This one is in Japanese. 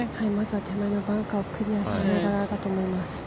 手前のバンカーをクリアしながらだと思います。